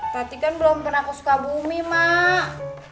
nanti kan belum pernah kesuka bumi mak